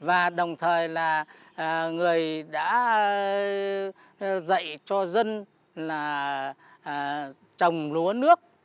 và đồng thời là người đã dạy cho dân là trồng lúa nước